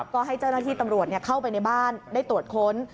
ก็ให้เจ้าหน้าที่ตำรวจเข้าไปในบ้านได้ตรวจค้น